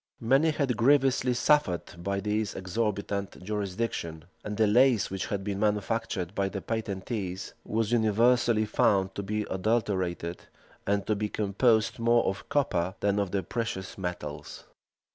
Many had grievously suffered by this exorbitant jurisdiction; and the lace which had been manufactured by the patentees was universally found to be adulterated, and to be composed more of copper than of the precious metals.